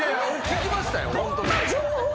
聞きましたよ。